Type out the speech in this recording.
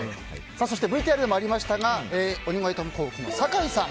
そしてＶＴＲでもありましたが鬼越トマホークの坂井さん